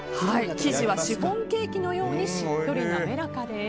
生地はシフォンケーキのようにしっとり滑らかです。